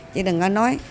chỉ đừng có nói